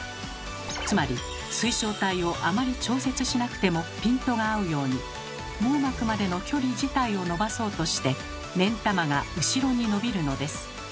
つまり水晶体をあまり調節しなくてもピントが合うように網膜までの距離自体をのばそうとして目ん玉が後ろにのびるのです。